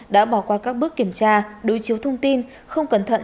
đã bỏ qua các bước kiểm tra đối chiếu thông tin không cẩn thận